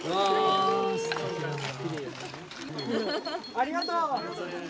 ありがとう！